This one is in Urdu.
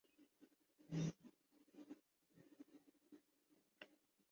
بعد از خرابیٔ بسیار، اب وہ صحیح جگہ پہ کھڑی ہے۔